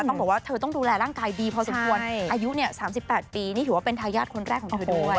ต้องบอกว่าเธอต้องดูแลร่างกายดีพอสมควรอายุ๓๘ปีนี่ถือว่าเป็นทายาทคนแรกของเธอด้วย